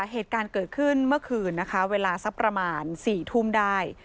เหตุการณ์เกิดขึ้นเมื่อคืนนะคะเวลาสักประมาณ๔ทุ่มได้